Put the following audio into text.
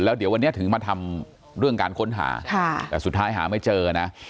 แล้วเดี๋ยววันนี้ถึงมาทำเรื่องการค้นหาแต่สุดท้ายหาไม่เจอนะ